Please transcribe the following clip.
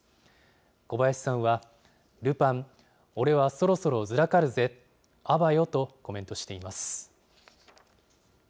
小林さんはルパン、俺はそろそろずらかるぜ、あばよとコメントしています。